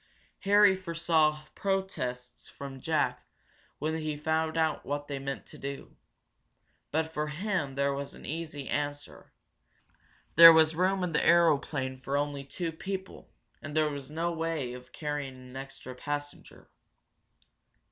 Harry foresaw protests from Jack when he found out what they meant to do, but for him there as an easy answer there was room in the aeroplane for only two people, and there was no way of carrying an extra passenger.